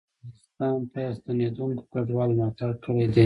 افغانستان ته ستنېدونکو کډوالو ملاتړ کړی دی